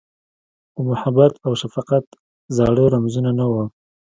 د محبت اوشفقت زاړه رمزونه، نه وه